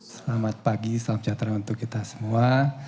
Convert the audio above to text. selamat pagi salam sejahtera untuk kita semua